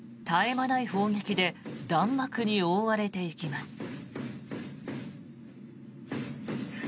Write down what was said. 絶え間ない砲撃で弾幕に覆われていきます。